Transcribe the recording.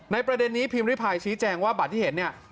ประเด็นนี้พิมพ์ริพายชี้แจงว่าบัตรที่เห็นเนี่ย